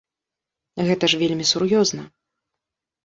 Гэта ж вельмі сур'ёзна.